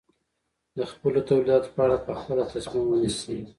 د خپلو تولیداتو په اړه په خپله تصمیم ونیسي.